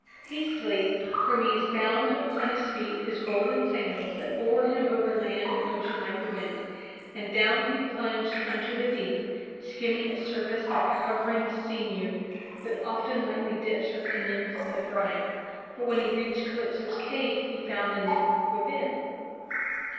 Hastily Hermes bound upon his feet his golden sandals that bore him over land and ocean like the wind, and down he plunged unto the deep, skimming its surface like a hovering seamew that often lightly dips her pinions in the brine. But when he reached Calypso's cave he found the nymph within.